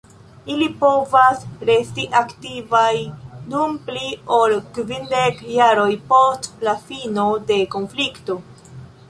Ili povas resti aktivaj dum pli ol kvindek jaroj post la fino de konflikto.